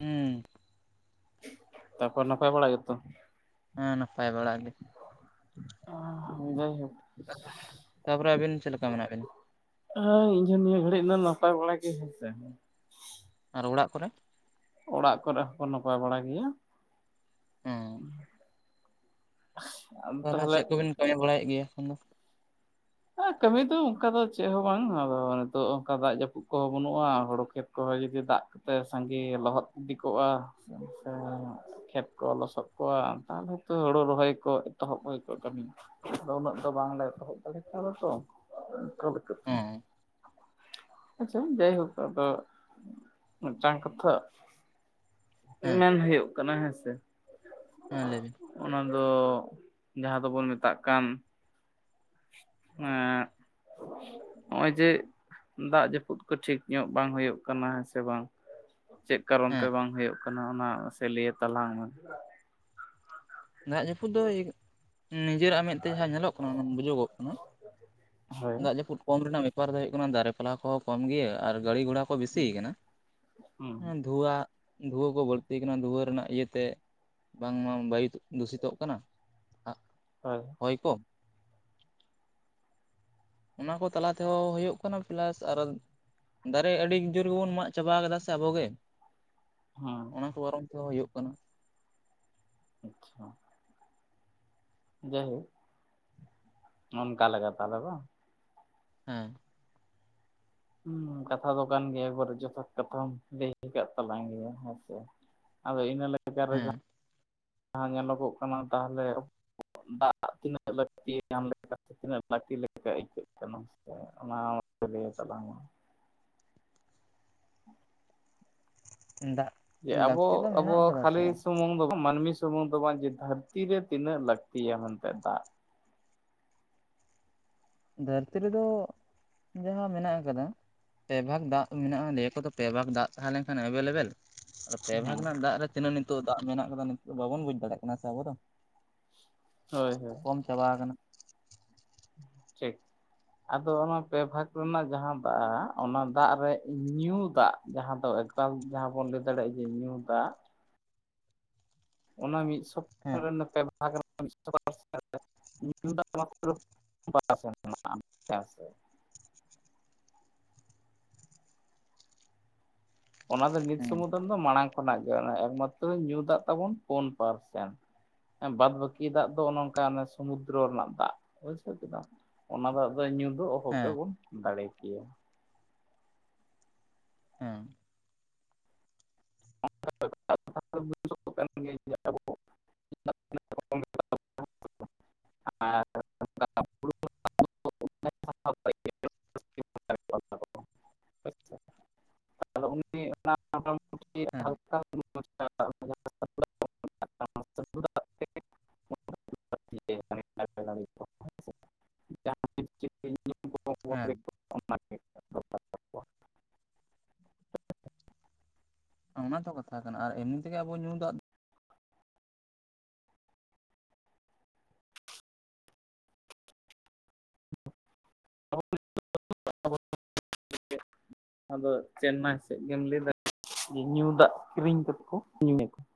ᱦᱩᱸ᱾ ᱛᱟᱯᱚᱨ ᱱᱟᱯᱟᱭ ᱵᱟᱲᱟ ᱜᱮᱛᱚ? ᱦᱮᱸ ᱱᱟᱯᱟᱭ ᱵᱟᱲᱟ ᱜᱮ᱾ ᱟᱸ ᱡᱟᱭ ᱦᱳᱠ᱾ ᱛᱟᱯᱚᱨᱮ ᱟᱹᱵᱤᱱ ᱪᱮᱫ ᱞᱮᱠᱟ ᱢᱮᱱᱟᱜ ᱵᱤᱱᱟ? ᱟᱸ ᱤᱧᱦᱚᱸ ᱱᱤᱭᱟᱹ ᱜᱷᱟᱹᱲᱤᱡ ᱫᱚ ᱱᱟᱯᱟᱭ ᱵᱟᱲᱟ ᱜᱮ ᱦᱮᱸᱥᱮ᱾ ᱟᱨ ᱚᱲᱟᱜ ᱠᱚᱨᱮ? ᱚᱲᱟᱜ ᱠᱚᱨᱮ ᱦᱚᱸᱠᱚ ᱱᱟᱯᱟᱭ ᱵᱟᱲᱟ ᱜᱤᱭᱟ᱾ ᱦᱮᱸ ᱛᱟᱦᱚᱸᱞᱮ ᱪᱮᱜ ᱠᱚᱵᱤᱱ ᱠᱟᱹᱢᱤ ᱵᱟᱲᱟᱭᱮᱜ ᱜᱮᱭᱟ ᱮᱠᱷᱚᱱ ᱫᱚ? ᱮ ᱠᱟᱹᱢᱤ ᱫᱚ ᱚᱱᱠᱟ ᱫᱚ ᱪᱮᱜ ᱦᱚᱸ ᱵᱟᱝ, ᱟᱫᱚ ᱱᱤᱛᱚᱜ ᱚᱱᱠᱟ ᱫᱟᱜ ᱡᱟᱹᱯᱩᱫ ᱠᱚᱦᱚᱸ ᱵᱟᱹᱱᱩᱜ-ᱟ ᱦᱩᱲᱩ ᱠᱷᱮᱛ ᱠᱚᱦᱚᱸ ᱡᱩᱫᱤ ᱫᱟᱜ ᱛᱮ ᱥᱟᱸᱜᱮ ᱞᱚᱦᱚᱫ ᱤᱫᱤ ᱠᱚᱜ-ᱟ ᱥᱮ ᱦᱟᱥᱟ ᱠᱷᱮᱛ ᱠᱚ ᱞᱚᱥᱚᱫ ᱠᱚᱣᱟ ᱟᱨ ᱛᱟᱦᱟᱞᱮ ᱛᱚ ᱦᱳᱲᱳ ᱨᱚᱦᱚᱭ ᱠᱚ ᱮᱛᱚᱦᱚᱵ ᱦᱳᱭ ᱠᱚᱜ-ᱟ ᱠᱟᱹᱢᱤ ᱟᱫᱚ ᱩᱱᱟᱹᱜ ᱫᱚ ᱵᱟᱝᱞᱮ ᱮᱛᱚᱦᱚᱵ ᱫᱟᱲᱮ ᱠᱟᱣᱫᱟ ᱛᱚ ᱦᱮᱸ [unintelligible] ᱟᱪᱪᱷᱟ ᱡᱟᱭᱦᱳᱠ ᱟᱫᱚ ᱢᱮᱫᱴᱟᱝ ᱠᱟᱛᱷᱟ? ᱦᱮᱸ ᱢᱮᱱ ᱦᱳᱭᱳᱜ ᱠᱟᱱᱟ ᱦᱮᱸᱥᱮ᱾ ᱦᱮᱸ ᱞᱮᱭ ᱵᱤᱱ᱾ ᱚᱱᱟ ᱫᱚ ᱡᱟᱦᱟᱸ ᱫᱚᱵᱚᱱ ᱢᱮᱛᱟᱜ ᱠᱟᱱ᱾ ᱮᱸᱜ ᱦᱚᱜ-ᱚᱭ ᱡᱮ ᱫᱟᱜ ᱡᱟᱹᱯᱩᱫ ᱠᱚ ᱴᱷᱤᱠ ᱧᱚᱜ ᱵᱟᱝ ᱦᱳᱭᱳᱜ ᱠᱟᱱᱟ ᱦᱮᱸ ᱥᱮ ᱵᱟᱝ᱾ ᱪᱮᱫ ᱠᱟᱨᱚᱱ ᱛᱮ ᱦᱮᱸ ᱵᱟᱝ ᱦᱳᱭᱳᱜ ᱠᱟᱱᱟ ᱚᱱᱟ ᱢᱟᱥᱮ ᱞᱮᱭ ᱟᱛᱟᱞᱟᱝ ᱢᱮ? ᱫᱟᱜ ᱡᱟᱹᱯᱩᱫ ᱫᱚ, ᱱᱤᱡᱮᱨᱟᱜ ᱢᱮᱫ ᱛᱮ ᱡᱟᱦᱟᱸ ᱧᱮᱞᱚᱜ ᱠᱟᱱᱟ ᱚᱱᱟ ᱵᱩᱡᱩᱜᱚᱜ ᱠᱟᱱᱟ? ᱦᱳᱭ ᱫᱟᱜ ᱡᱟᱹᱯᱩᱫ ᱠᱚᱢ ᱨᱮᱱᱟᱜ ᱵᱮᱯᱟᱨ ᱫᱚ ᱦᱩᱭᱩᱜ ᱠᱟᱱᱟ ᱫᱟᱨᱮ ᱯᱟᱞᱟ ᱠᱚᱦᱚᱸ ᱠᱚᱢ ᱜᱮᱭᱟ ᱟᱨ ᱜᱟᱹᱲᱤ ᱜᱷᱚᱲᱟ ᱠᱚ ᱵᱮᱥᱤ ᱠᱟᱱᱟ᱾ ᱦᱩᱸ ᱫᱷᱩᱣᱟ ᱫᱷᱩᱣᱟᱹ ᱠᱚ ᱵᱟᱹᱲᱛᱤ ᱟᱠᱟᱱᱟ ᱫᱷᱩᱣᱟᱹ ᱨᱮᱱᱟᱜ ᱤᱭᱟᱹᱛᱮ, ᱵᱟᱝᱢᱟ ᱵᱟᱭᱩ ᱫᱩᱥᱤᱛᱚ ᱠᱟᱱᱟ ᱾ [unintelligible] ᱦᱳᱭ᱾ ᱦᱳᱭ ᱠᱚ᱾ ᱚᱱᱟ ᱠᱚ ᱛᱟᱞᱟ ᱛᱮᱦᱚᱸ ᱦᱳᱭᱳᱜ ᱠᱟᱱᱟ ᱯᱞᱟᱥ ᱟᱨᱚ ᱦᱚᱸ ᱫᱟᱨᱮ ᱟᱹᱰᱤ ᱡᱳᱨ ᱜᱮᱵᱚᱱ ᱢᱟᱜ ᱪᱟᱵᱟ ᱠᱟᱫᱟ ᱥᱮ ᱟᱵᱚ ᱜᱮ᱾ ᱦᱮᱸ᱾ ᱚᱱᱟ ᱠᱚ ᱵᱟᱨᱚᱱ ᱛᱮᱦᱚᱸ ᱦᱩᱭᱩᱜ ᱠᱟᱱᱟ᱾ ᱟᱪᱪᱷᱟ᱾ ᱡᱟᱭ ᱦᱳᱠ᱾ ᱚᱱᱠᱟ ᱞᱮᱠᱟᱛᱮ ᱟᱞᱮ ᱫᱚ᱾ ᱦᱮᱸ᱾ ᱦᱩᱸ ᱠᱟᱛᱷᱟ ᱫᱚ ᱠᱟᱱ ᱜᱮᱭᱟ ᱮᱠᱚᱵᱟᱨᱮ ᱡᱚᱛᱷᱟᱛ ᱠᱟᱛᱷᱟᱢ ᱞᱟᱹᱭ ᱟᱠᱟᱫ ᱛᱟᱞᱟᱝ ᱜᱮᱭᱟ ᱦᱮᱸᱥᱮ᱾ ᱟᱫᱚ ᱤᱱᱟᱹ ᱞᱮᱠᱟᱨᱮ ᱦᱮᱸ ᱡᱟ-ᱦᱟᱸ ᱧᱮᱞᱚᱜᱚᱜ ᱠᱟᱱᱟ ᱛᱟᱦᱚᱸᱞᱮ᱾ ᱫᱟᱜ ᱛᱤᱱᱟᱹᱜ ᱞᱟᱹᱠᱛᱤ ᱧᱟᱢ ᱞᱮᱠᱟ ᱛᱤᱱᱟᱹᱜ ᱞᱟᱹᱠᱛᱤ ᱞᱮᱠᱟ ᱟᱹᱭᱠᱟᱹᱜ ᱠᱟᱱᱟ᱾ ᱚᱱᱟ ᱞᱟᱹᱭ ᱛᱟᱞᱟᱝ ᱢᱮ? ᱫᱟᱜ᱾ ᱡᱮ ᱟᱵᱚ ᱞᱟᱹᱠᱛᱤ ᱫᱚ ᱟᱵᱚ ᱢᱮᱱᱟᱜ ᱟᱠᱟᱫᱟ ᱠᱷᱟᱹᱞᱤ ᱛᱚ ᱥᱩᱢᱩᱝ ᱫᱚ ᱵᱟᱝ ᱢᱟᱹᱱᱢᱤ ᱥᱩᱢᱩᱝ ᱫᱚ ᱵᱟᱝ ᱡᱮ ᱫᱷᱟᱹᱨᱛᱤ ᱨᱮ ᱛᱤᱱᱟᱹᱜ ᱞᱟᱹᱠᱛᱤᱭᱟ ᱢᱮᱱᱛᱮ ᱫᱟᱜ᱾ ᱫᱷᱟᱹᱨᱛᱤ ᱨᱮᱫᱚ᱾ ᱡᱟᱦᱟᱸ ᱢᱮᱱᱟᱜ ᱟᱠᱟᱫᱟ ᱯᱮ ᱵᱷᱟᱜᱽ ᱫᱟᱜ ᱢᱮᱱᱟᱜ-ᱟ ᱞᱮᱭᱟ ᱠᱚ ᱛᱚ ᱯᱮ ᱵᱷᱟᱜᱽ ᱫᱟᱜ ᱛᱟᱦᱮᱸ ᱞᱮᱱ ᱠᱷᱟᱱ ᱮᱵᱮᱞᱮᱵᱮᱞ᱾ ᱟᱫᱚ ᱯᱮ ᱵᱷᱟᱜᱽ ᱦᱮᱸ ᱨᱮᱱᱟᱜ ᱫᱟᱜ ᱨᱮ ᱛᱤᱱᱟᱹᱜ ᱱᱤᱛᱚᱜ ᱫᱟᱜ ᱢᱮᱱᱟᱜ ᱠᱟᱫᱟ ᱱᱤᱛᱚᱜ ᱫᱚ ᱵᱟᱵᱚᱱ ᱵᱩᱡᱽ ᱫᱟᱲᱮᱭᱟᱜ ᱠᱟᱱᱟ ᱥᱮ ᱟᱵᱚ ᱫᱚ᱾ ᱦᱳᱭ ᱦᱳᱭ᱾ ᱠᱚᱢ ᱪᱟᱵᱟ ᱟᱠᱟᱱᱟ᱾ ᱴᱷᱤᱠ ᱟᱫᱚ ᱚᱱᱟ ᱯᱮ ᱵᱷᱟᱜᱽ ᱨᱮᱱᱟᱜ ᱡᱟᱸᱦᱟᱸ ᱫᱟᱜ ᱚᱱᱟ ᱫᱟᱜ ᱨᱮ ᱧᱩ ᱫᱟᱜ, ᱡᱟᱸᱦᱟ ᱫᱚ ᱮᱠᱟᱞ ᱡᱟᱸᱦᱟᱸ ᱵᱚᱱ ᱞᱟᱹᱭ ᱫᱟᱲᱮᱭᱟᱜᱼᱟ ᱡᱮ ᱧᱩ ᱫᱟᱜ᱾ ᱚᱱᱟ ᱢᱤᱫ ᱥᱚᱯᱛᱟᱦᱚ ᱦᱮᱸ ᱨᱮᱱ ᱯᱮ ᱵᱟᱦᱟ ᱠᱟᱱᱟ᱾ ᱢᱤᱫ ᱥᱚ ᱯᱟᱨᱥᱮᱱ ᱨᱮ ᱧᱩ ᱫᱟᱜ ᱢᱟᱛᱨᱚ ᱵᱟᱨ ᱯᱟᱨᱦᱮᱱ ᱢᱮᱱᱟᱜ-ᱟ ᱦᱮᱸ ᱥᱮ᱾ ᱚᱱᱟ ᱫᱚ ᱱᱤᱛ ᱦᱮᱸ ᱥᱩᱢᱩᱫᱷ ᱫᱚ ᱵᱟᱝ-ᱟ ᱢᱟᱲᱟᱝ ᱠᱷᱚᱱᱟᱜ ᱜᱮ ᱮᱠᱢᱟᱛᱨᱚ ᱧᱩᱛᱟᱜ ᱛᱟᱵᱚᱱ ᱯᱩᱱ ᱯᱟᱨᱥᱮᱱᱴ᱾ ᱵᱟᱫᱽ ᱵᱟᱹᱠᱤ ᱫᱟᱜ ᱫᱚ ᱱᱚᱝᱠᱟ ᱥᱚᱢᱩᱫᱨᱚ ᱨᱮᱱᱟᱜ ᱫᱟᱜ ᱵᱩᱡᱷᱟᱹᱣ ᱠᱮᱫᱟᱢ ᱾ ᱚᱱᱟ ᱫᱚᱜ ᱫᱚ ᱧᱩ ᱫᱚ ᱚᱦᱚ ᱦᱮᱸ ᱜᱮᱵᱚᱱ ᱫᱟᱲᱮ ᱠᱮᱭᱟ ᱾ ᱦᱮᱸ [inaudible] [inaudible] ᱜᱮᱭᱟ [inaudible] ᱟᱵᱚ ᱟᱫᱚ ᱩᱱᱤ ᱦᱮᱸ‌ ᱦᱟᱞᱠᱟ ᱦᱮᱸ ᱚᱱᱟ ᱛᱚ ᱠᱟᱛᱷᱟ ᱠᱟᱱᱟ ᱟᱨ ᱮᱢᱱᱤ ᱛᱮᱜᱮ ᱟᱵᱚ ᱧᱩ ᱫᱟᱜ [inaudible] ᱟᱫᱚ ᱪᱮᱱᱱᱟᱭ ᱥᱮᱫ ᱜᱮᱢ ᱞᱟᱹᱭ ᱫᱟᱲᱮᱭᱟᱜᱼᱟ ᱡᱮ ᱧᱩ ᱫᱟᱜ ᱠᱤᱨᱤᱧ ᱠᱟᱛᱮᱫ ᱠᱚ ᱧᱩᱭᱟᱠᱚ ᱾